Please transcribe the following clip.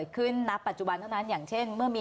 เขาหยุดให้ยาก่อนตรงนี้